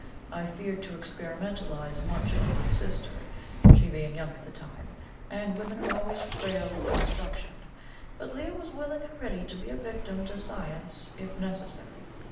I feared to experimentalize much on my sister, she being young at the time and women are always frail of construction but Leo was willing and ready to be a victim to science, if necessary.